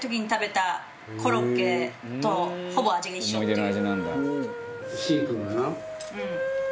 「思い出の味なんだ」